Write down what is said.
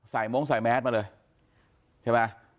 ใส่ม้งใส่แมสมาเลยใช่ไหม